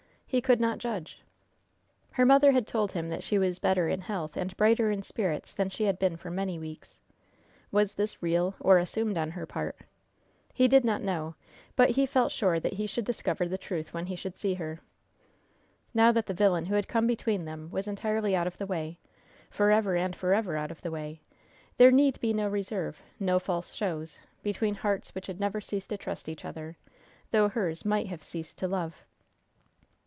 He could not judge. Her mother had told him that she was better in health and brighter in spirits than she had been for many weeks. Was this real or assumed on her part? He did not know; but he felt sure that he should discover the truth when he should see her. Now that the villain who had come between them was entirely out of the way forever and forever out of the way there need be no reserve, no false shows, between hearts which had never ceased to trust each other, though hers might have ceased to love.